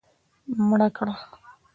مړه کړه